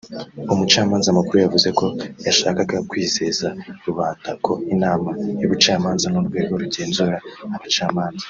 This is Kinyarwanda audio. umucamanza mukuru yavuze ko yashakaga kwizeza rubanda ko inama y’ubucamanza n’urwego rugenzura abacamanza